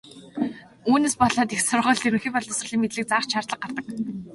Үүнээс болоод их сургуульд ерөнхий боловсролын мэдлэг заах ч шаардлага гардаг.